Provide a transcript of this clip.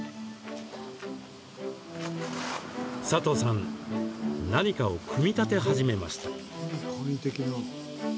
サトウさん何かを組み立て始めました。